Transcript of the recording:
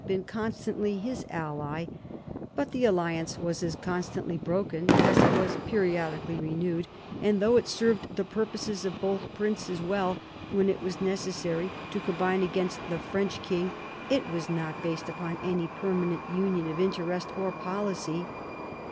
been constantly his ally, but the alliance was as constantly broken as it was periodically renewed, and though it served the purposes of both princes well when it was necessary to combine against the French king, it was not based upon any permanent union of interest or policy.